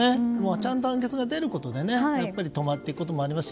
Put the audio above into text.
ちゃんと判決が出ることで止まっていくこともありますし。